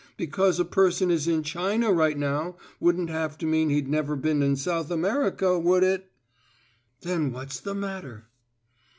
Because a person is in China right now wouldn't have to mean he'd never been in South America, would it?" "Then what's the matter?"